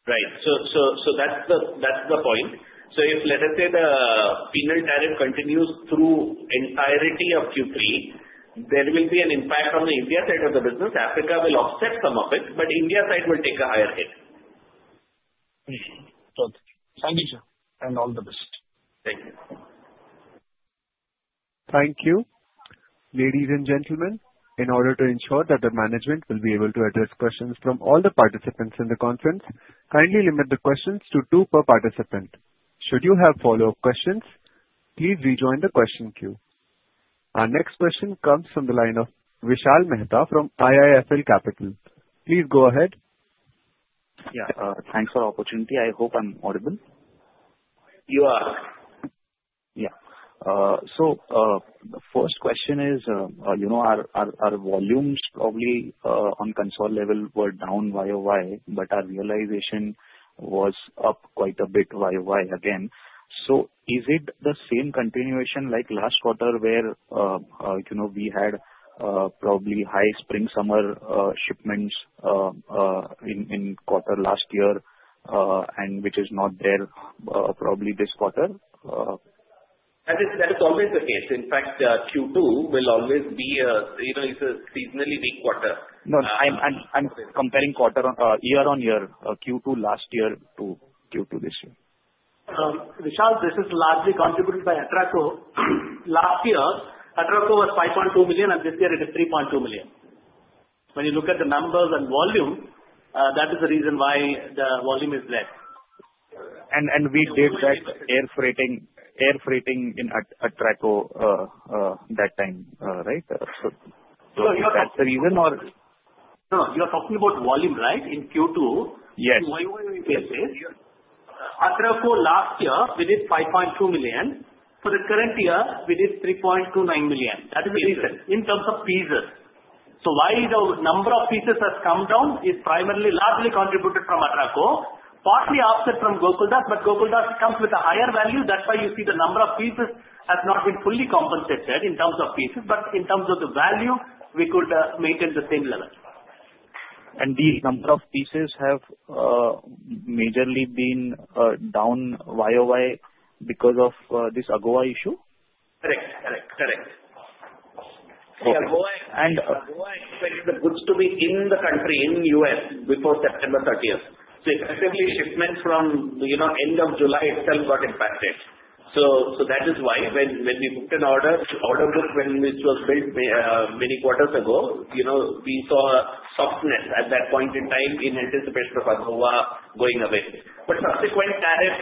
Right. So that's the point. So if, let us say, the penal tariff continues through the entirety of Q3, there will be an impact on the India side of the business. Africa will offset some of it, but India side will take a higher hit. Thank you, sir. And all the best. Thank you. Thank you. Ladies and gentlemen, in order to ensure that the management will be able to address questions from all the participants in the conference, kindly limit the questions to two per participant. Should you have follow-up questions, please rejoin the question queue. Our next question comes from the line of Vishal Mehta from IIFL Capital. Please go ahead. Yeah. Thanks for the opportunity. I hope I'm audible. You are. Yeah. So the first question is, our volumes probably on consolidated level were down YoY, but our realization was up quite a bit YoY again. So is it the same continuation like last quarter where we had probably high spring-summer shipments in quarter last year, which is not there probably this quarter? That is always the case. In fact, Q2 will always be a seasonally weak quarter. No. I'm comparing year-on-year Q2 last year to Q2 this year. Vishal, this is largely contributed by Atraco. Last year, Atraco was $5.2 million, and this year it is $3.2 million. When you look at the numbers and volume, that is the reason why the volume is there. And we did that air freighting in Atraco that time, right? So that's the reason, or? No. You're talking about volume, right, in Q2? Yes. Why would we say this? Yes. Atraco, last year we did 5.2 million. For the current year, we did 3.29 million. That is the reason in terms of pieces, so why the number of pieces has come down is primarily largely contributed from Atraco, partly offset from Gokaldas, but Gokaldas comes with a higher value. That's why you see the number of pieces has not been fully compensated in terms of pieces, but in terms of the value, we could maintain the same level. These number of pieces have majorly been down YoY because of this AGOA issue? Correct. Correct. Correct. And. AGOA expected the goods to be in the country, in the U.S., before September 30th. So effectively, shipments from end of July itself got impacted. So that is why when we booked an order, order booked when it was built many quarters ago, we saw softness at that point in time in anticipation of AGOA going away. But subsequent tariff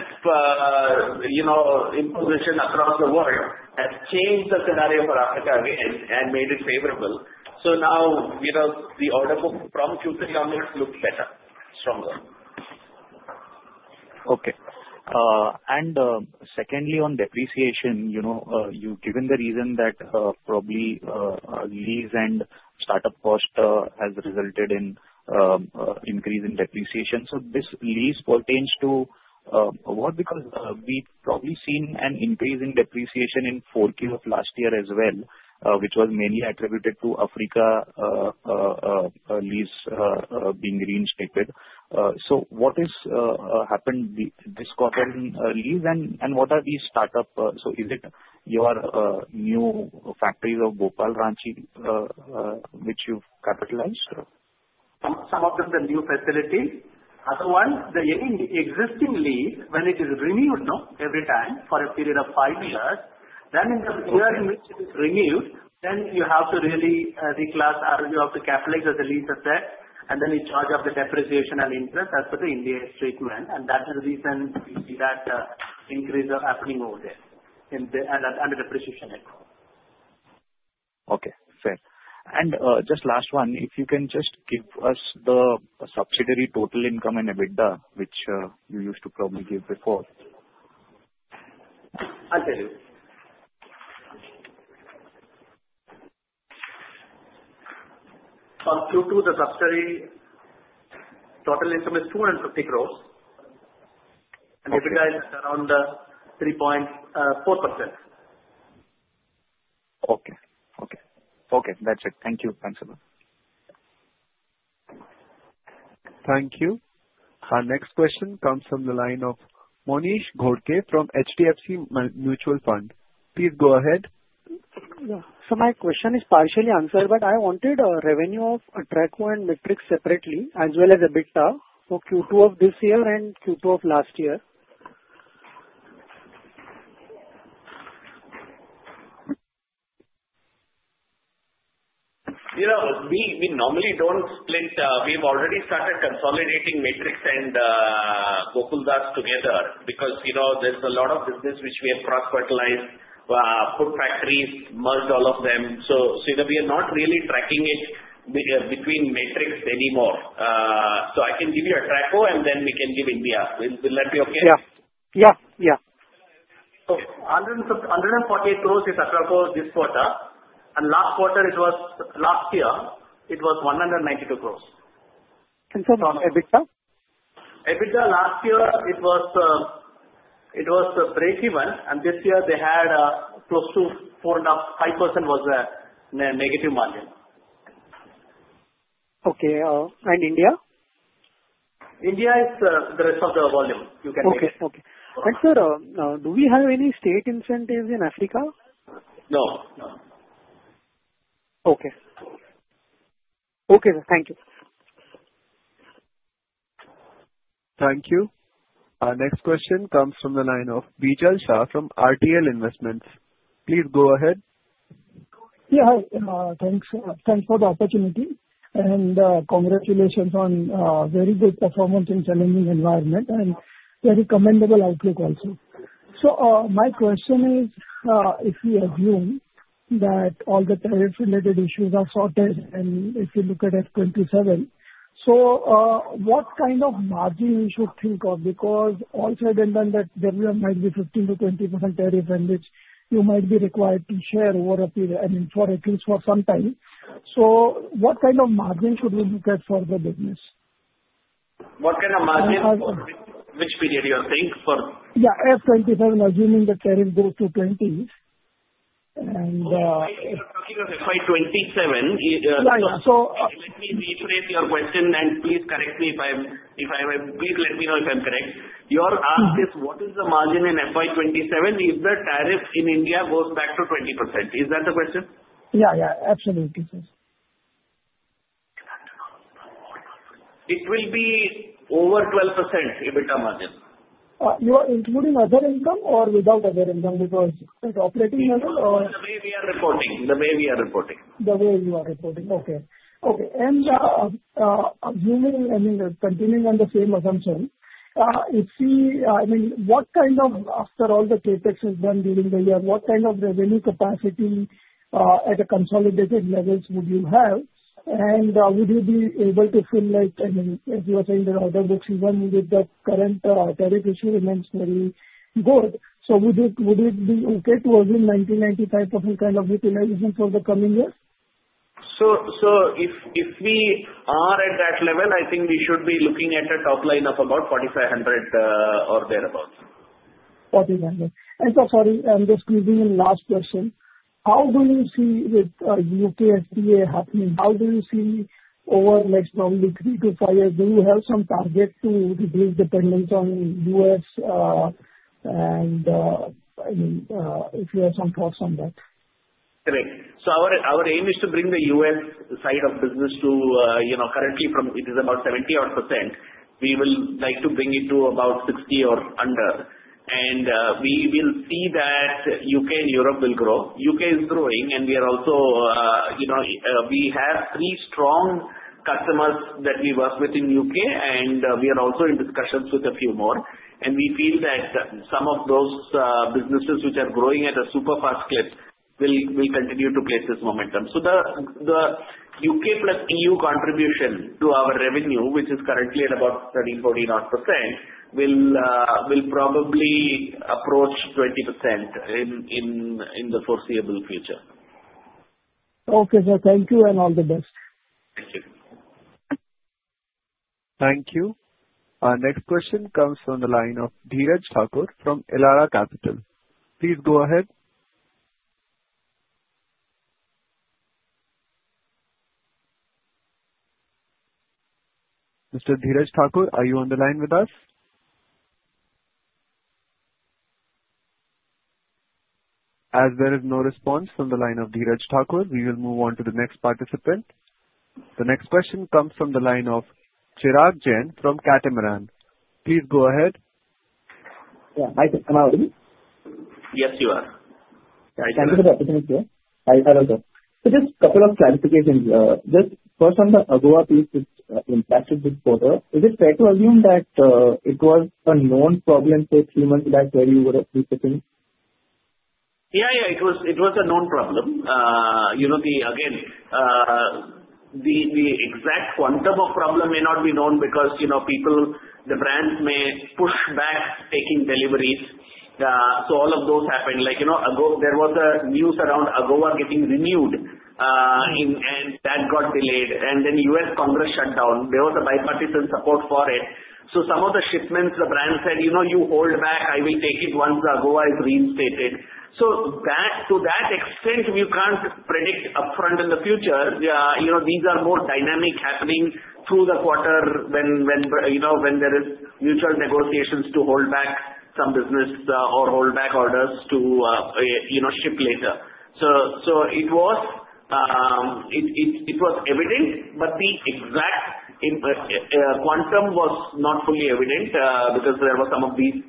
imposition across the world has changed the scenario for Africa again and made it favorable. So now the order book from Q3 downwards looks better, stronger. Okay. And secondly, on depreciation, you've given the reason that probably lease and startup cost has resulted in increase in depreciation. So this lease pertains to what? Because we've probably seen an increase in depreciation in Q4 of last year as well, which was mainly attributed to Africa lease being reinstated. So what has happened this quarter in lease, and what are these startup? So is it your new factories of Bhopal, Ranchi, which you've capitalized? Some of them are new facilities. Other ones, the existing lease, when it is renewed every time for a period of five years, then in the year in which it is renewed, then you have to really reclass your capital as the lease asset, and then charge the depreciation and interest as per the Ind AS, and that is the reason we see that increase happening over there and the depreciation happen. Okay. Fair. And just last one, if you can just give us the subsidiary total income and EBITDA, which you used to probably give before. I'll tell you. Q2, the subsidiary total income is 250 crores, and EBITDA is around 3.4%. Okay. That's it. Thank you. Thanks, sir. Thank you. Our next question comes from the line of Monish Ghodke from HDFC Mutual Fund. Please go ahead. So my question is partially answered, but I wanted revenue of Atraco and Matrix separately as well as EBITDA for Q2 of this year and Q2 of last year. We normally don't split. We've already started consolidating Matrix and Gokaldas together because there's a lot of business which we have cross-fertilized, put factories, merged all of them. So we are not really tracking it between Matrix anymore. So I can give you Atraco, and then we can give India. Will that be okay? Yeah. Yeah. Yeah. 148 crores is Atraco this quarter. Last quarter, last year, it was 192 crores. For EBITDA? EBITDA last year, it was breakeven, and this year they had close to 4.5% was their negative margin. Okay, and India? India is the rest of the volume. You can take it. Okay. Okay. And sir, do we have any state incentives in Africa? No. No. Okay. Okay. Thank you. Thank you. Our next question comes from the line of Bijal Shah from RTL Investments. Please go ahead. Yeah. Thanks for the opportunity. And congratulations on very good performance in challenging environment and very commendable outlook also. So my question is, if we assume that all the tariff-related issues are sorted and if you look at 2027, so what kind of margin we should think of? Because all said and done, that there might be 15%-20% tariff on which you might be required to share over a period, I mean, for at least some time. So what kind of margin should we look at for the business? What kind of margin? Which period do you think for? Yeah. FY2027, assuming the tariff goes to 20. If we're talking of FY2027. Yeah. So. Let me rephrase your question, and please let me know if I'm correct. Your ask is, what is the margin in FY2027 if the tariff in India goes back to 20%? Is that the question? Yeah. Yeah. Absolutely, sir. It will be over 12% EBITDA margin. Are you including other income or without other income because? Operating level or? The way we are reporting. The way you are reporting. Okay. And assuming, I mean, continuing on the same assumption, if we—I mean, what kind of, after all the CapEx is done during the year, what kind of revenue capacity at the consolidated levels would you have? And would you be able to fill it? I mean, as you were saying, the order book seasonally with the current tariff issue remains very good. So would it be okay to assume 90%-95% kind of utilization for the coming years? So if we are at that level, I think we should be looking at a top line of about 4,500 or thereabouts. 4,500. Sorry, I'm just using the last question. How do you see with UK FTA happening? How do you see over next probably three to five years, do you have some target to reduce dependence on U.S.? And if you have some thoughts on that. Correct. So our aim is to bring the U.S. side of business to currently from it is about 70%-odd. We will like to bring it to about 60% or under. And we will see that U.K. and Europe will grow. U.K. is growing, and we are also, we have three strong customers that we work with in the U.K., and we are also in discussions with a few more. And we feel that some of those businesses which are growing at a super fast clip will continue to place this momentum. So the U.K. plus E.U. contribution to our revenue, which is currently at about 30%-40% odd will probably approach 20% in the foreseeable future. Okay, so thank you and all the best. Thank you. Thank you. Our next question comes from the line of Dheeraj Thakur from Elara Capital. Please go ahead. Mr. Dheeraj Thakur, are you on the line with us? As there is no response from the line of Dheeraj Thakur, we will move on to the next participant. The next question comes from the line of Chirag Jain from Catamaran. Please go ahead. Yeah. I can come out. Yes, you are. Thank you so much, sir. Hi, hello, sir. So just a couple of clarifications. Just first on the AGOA piece which impacted this quarter, is it fair to assume that it was a known problem for three months back where you were sitting? Yeah. Yeah. It was a known problem. Again, the exact quantum of problem may not be known because people, the brands may push back taking deliveries. So all of those happened. There was a news around AGOA getting renewed, and that got delayed. And then U.S. Congress shut down. There was a bipartisan support for it. So some of the shipments, the brand said, "You hold back. I will take it once the AGOA is reinstated." So to that extent, we can't predict upfront in the future. These are more dynamic happening through the quarter when there are mutual negotiations to hold back some business or hold back orders to ship later. So it was evident, but the exact quantum was not fully evident because there were some of these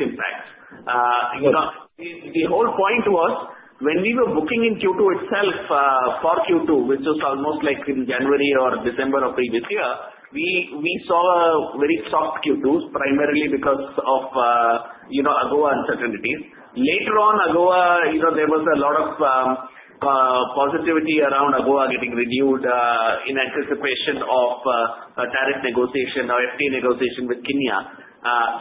impacts. The whole point was when we were booking in Q2 itself for Q2, which was almost like in January or December of previous year, we saw very soft Q2s primarily because of AGOA uncertainties. Later on, there was a lot of positivity around AGOA getting renewed in anticipation of tariff negotiation, FTA negotiation with Kenya.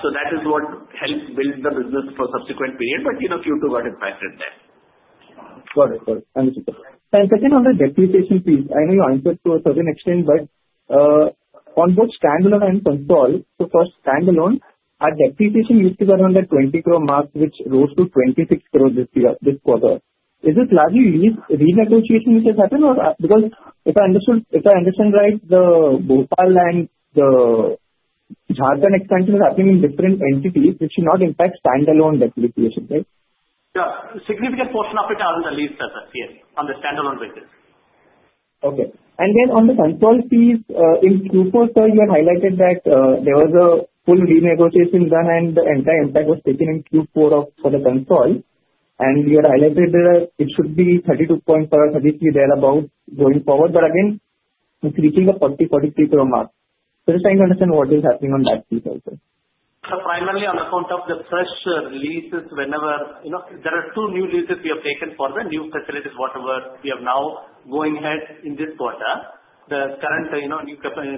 So that is what helped build the business for a subsequent period, but Q2 got impacted there. Got it. Got it. Thank you. And second on the depreciation piece, I know you answered to a certain extent, but on both standalone and consolidated, so first standalone, our depreciation used to be around the 20 crore mark, which rose to 26 crores this quarter. Is it largely lease renegotiation which has happened? Because if I understand right, the Bhopal and the Jharkhand expansion is happening in different entities, which should not impact standalone depreciation, right? Yeah. Significant portion of it are on the lease, on the standalone basis. Okay. And then on the consol piece, in Q4, sir, you had highlighted that there was a full renegotiation done, and the entire impact was taken in Q4 for the consol. And you had highlighted it should be 32-33 thereabouts going forward, but again, it's reaching a 40-43 crore mark. So just trying to understand what is happening on that piece also. Finally, on account of the fresh leases, whenever there are two new leases we have taken for the new facilities, whatever we have now going ahead in this quarter, the current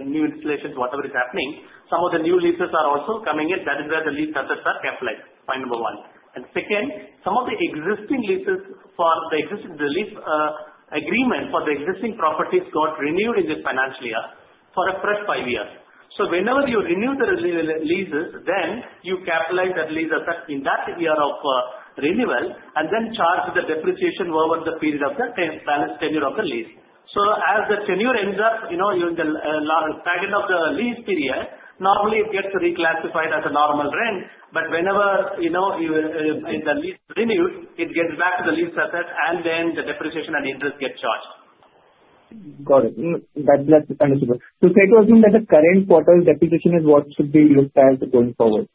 new installations, whatever is happening, some of the new leases are also coming in. That is where the lease assets are capitalized like point number one. And second, some of the existing leases for the existing lease agreement for the existing properties got renewed in the financial year for a fresh five years. So whenever you renew the leases, then you capitalize that lease asset in that year of renewal and then charge the depreciation over the period of the balance tenure of the lease. So as the tenure ends up during the second of the lease period, normally it gets reclassified as a normal rent, but whenever the lease is renewed, it gets back to the lease asset, and then the depreciation and interest get charged. Got it. That's understandable. So try to assume that the current quarter's depreciation is what should be looked at going forward.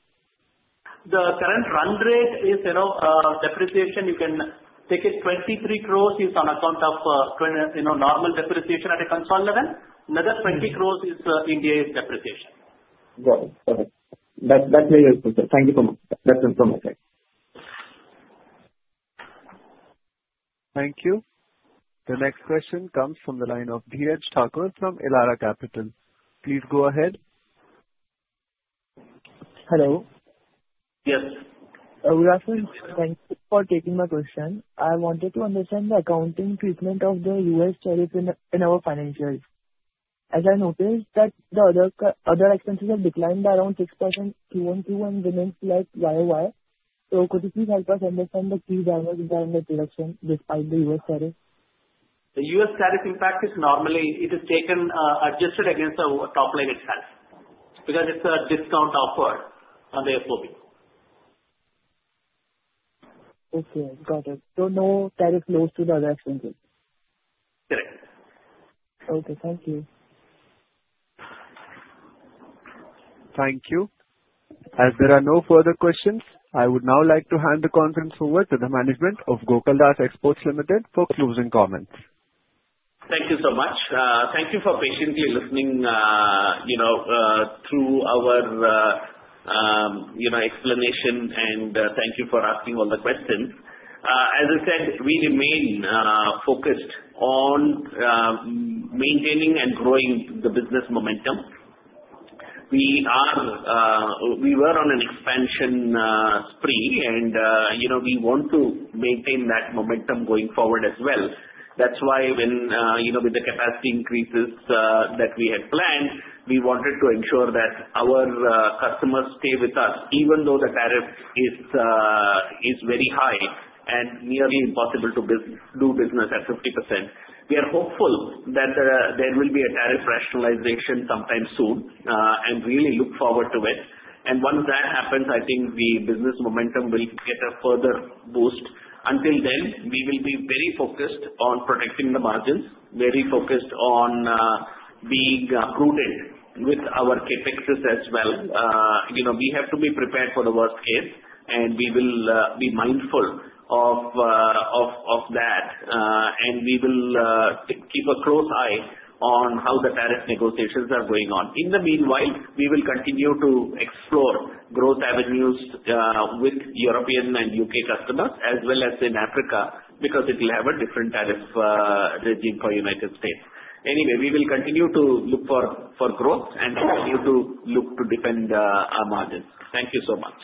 The current run rate is depreciation. You can take it. 23 crores is on account of normal depreciation at a consolidated level. Another 20 crores is Ind AS depreciation. Got it. Got it. That's very useful, sir. Thank you so much. That's informative. Thank you. The next question comes from the line of Dheeraj Thakur from Elara Capital. Please go ahead. Hello. Yes. Thank you for taking my question. I wanted to understand the accounting treatment of the U.S. tariff in our financials. As I noticed that the other expenses have declined by around 6% Q1, and remains flat year-over-year. So could you please help us understand the key drivers behind the reduction despite the U.S. tariff? The U.S. tariff impact is normally adjusted against the top line itself because it's a discount offer on the FOB. Okay. Got it. So no tariff loads to the other expenses. Correct. Okay. Thank you. Thank you. As there are no further questions, I would now like to hand the conference over to the management of Gokaldas Exports Limited for closing comments. Thank you so much. Thank you for patiently listening through our explanation, and thank you for asking all the questions. As I said, we remain focused on maintaining and growing the business momentum. We were on an expansion spree, and we want to maintain that momentum going forward as well. That's why when the capacity increases that we had planned, we wanted to ensure that our customers stay with us even though the tariff is very high and nearly impossible to do business at 50%. We are hopeful that there will be a tariff rationalization sometime soon and really look forward to it. And once that happens, I think the business momentum will get a further boost. Until then, we will be very focused on protecting the margins, very focused on being prudent with our CapEx as well. We have to be prepared for the worst case, and we will be mindful of that. We will keep a close eye on how the tariff negotiations are going on. In the meanwhile, we will continue to explore growth avenues with European and U.K. customers as well as in Africa because it will have a different tariff regime for the United States. Anyway, we will continue to look for growth and continue to look to defend our margins. Thank you so much.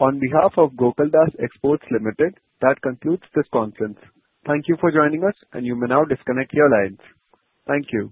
On behalf of Gokaldas Exports Limited, that concludes this conference. Thank you for joining us, and you may now disconnect your lines. Thank you.